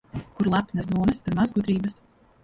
Kur lepnas domas, tur maz gudrības.